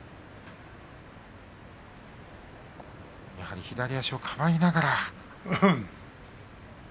やはり左足をかばいながら。